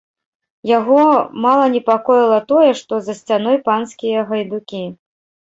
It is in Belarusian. Яго мала непакоіла тое, што за сцяной панскія гайдукі.